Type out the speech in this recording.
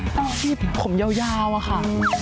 ละออมที่ผมยาวค่ะ